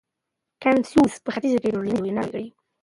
کنفوسوس په ختیځ کي ټولنیزې ویناوې کړې دي.